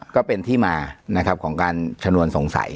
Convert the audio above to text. ก็เป็นที่มาของการชะนวนสงสัย